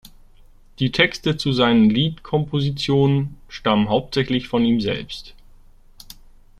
Die Texte zu seinen Liedkompositionen stammen hauptsächlich von ihm selbst.